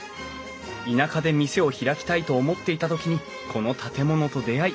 田舎で店を開きたいと思っていた時にこの建物と出会い